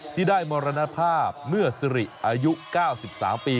ที่ได้มรณภาพเมื่อสิริอายุ๙๓ปี